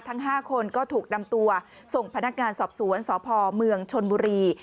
ทั้ง๕คนก็ถูกนำตัวส่งพนักงานสอบสวนสพเมืองชนบุรี